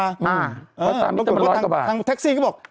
เอาตามนี้จะมันเท็กซี่ก็บอก